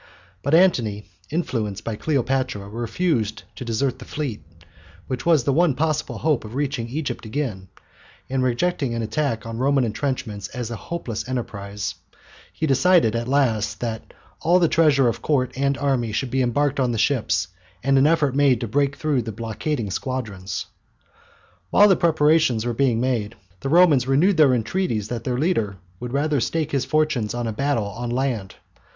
But Antony, influenced by Cleopatra, refused to desert the fleet, which was the one possible hope of reaching Egypt again, and rejecting an attack on the Roman entrenchments as a hopeless enterprise, he decided at last that all the treasure of Court and army should be embarked on the ships, and an effort made to break through the blockading squadrons. While the preparations were being made, the Romans renewed their entreaties that their leader would rather stake his fortunes on a battle on land.